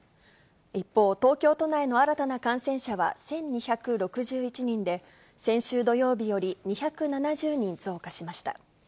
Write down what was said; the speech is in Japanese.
一方、東京都内の新たな感染者は１２６１人で、先週土曜日より２７０人増加しました。